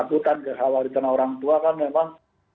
takutan kekhawatiran orang tua kan memang